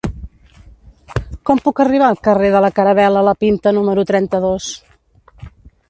Com puc arribar al carrer de la Caravel·la La Pinta número trenta-dos?